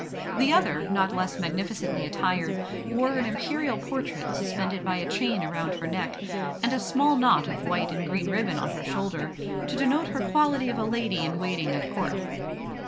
The other, not less magnificently attired, wore an imperial portrait suspended by a chain around her neck, and a small knot of white and green ribbon on her shoulder, to denote her quality of a lady in waiting at Court.